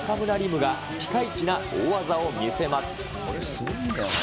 夢がピカイチな大技を見せます。